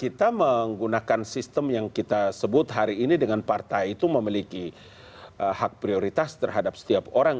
kita menggunakan sistem yang kita sebut hari ini dengan partai itu memiliki hak prioritas terhadap setiap orang